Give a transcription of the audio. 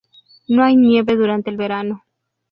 No hay nieve durante el verano.